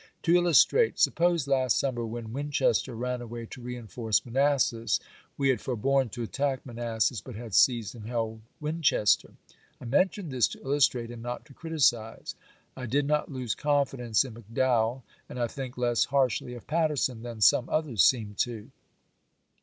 To illus trate : Suppose last summer, when Winchester ran away to reenforce Manassas, we had forborne to attack Manassas, but had seized and held Winchester. I mention this to il lustrate and not to criticize. I did not lose confidence in McDowell, and I think less harshly of Patterson than some others seem to.